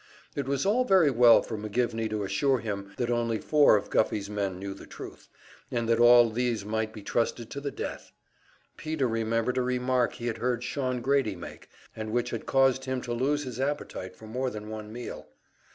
It was all very well for McGivney to assure him that only four of Guffey's men knew the truth, and that all these might be trusted to the death. Peter remembered a remark he had heard Shawn Grady make, and which had caused him to lose his appetite for more than one meal.